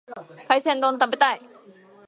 海鮮丼を食べたい。